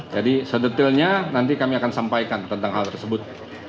tapi nanti kita akan sampaikan tentang hal tersebut